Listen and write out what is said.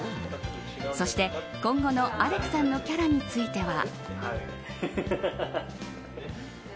そして、今後のアレクさんのキャラについては。